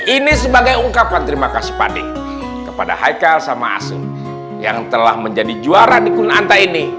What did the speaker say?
ini sebagai ungkapan terima kasih padi kepada haikal sama asem yang telah menjadi juara di kunanta ini